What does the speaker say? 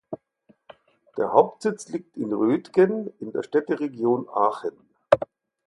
Der Hauptsitz liegt in Roetgen in der Städteregion Aachen.